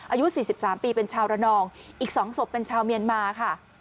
อายุ๔๓ปีเป็นชาวระนองอีก๒ศพเป็นชาวเมียนมาค่ะ